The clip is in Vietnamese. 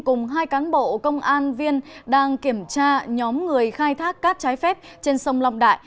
cùng hai cán bộ công an viên đang kiểm tra nhóm người khai thác cát trái phép trên sông long đại